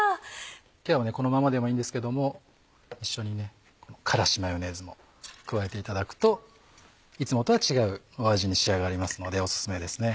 今日はこのままでもいいんですけども一緒にこの辛子マヨネーズも加えていただくといつもとは違う味に仕上がりますのでお薦めですね。